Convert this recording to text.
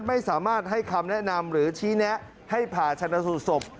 ไม่สามารถให้คำแนะนำหรือชี้แนะให้ผ่าชนะสูตรศพ